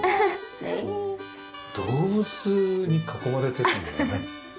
動物に囲まれてるんだね。